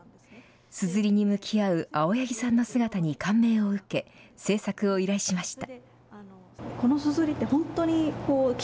すずりに向き合う青柳さんの姿に感銘を受け製作を依頼しました。